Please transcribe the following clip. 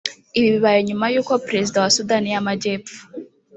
Ibi bibaye nyuma y’uko Perezida wa Sudan y’Amajyepfo